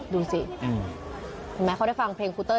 ดูสิเห็นไหมเขาได้ฟังเพลงครูเต้